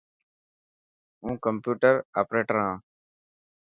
هون ڪمپيوٽر آپريٽر آن.